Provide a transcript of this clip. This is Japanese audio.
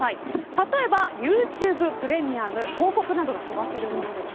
例えばＹｏｕＴｕｂｅＰｒｅｍｉｕｍ広告などが飛ばせるものです。